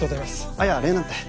あいや礼なんて。